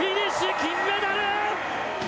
金メダル！